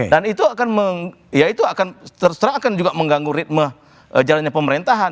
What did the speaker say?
dan itu akan ya itu akan terserah akan juga mengganggu ritme jalannya pemerintahan